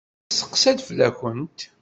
Yesteqsa-d fell-akent.